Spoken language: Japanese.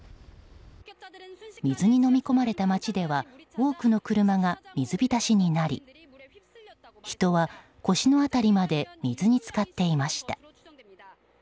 水にのみ込まれた街では多くの車が水浸しになり人は腰の辺りまで水に浸かっていました。